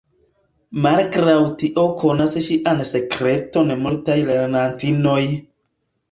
Malgraŭ tio konas ŝian sekreton multaj lernantinoj.